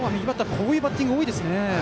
こういうバッティング多いですね。